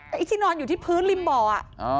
ไอ้ที่นอนอยู่ที่พื้นริมบ่อ